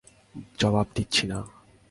জবাব দিচ্ছে না।